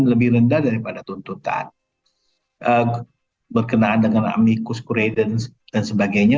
lebih rendah daripada tuntutan berkenaan dengan amicus kuredence dan sebagainya